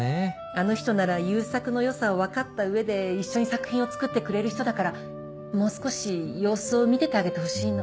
あの人なら悠作の良さを分かった上で一緒に作品を作ってくれる人だからもう少し様子を見ててあげてほしいの。